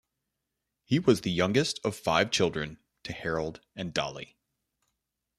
He was the youngest of five children to Harold and Dolly.